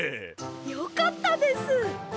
よかったです！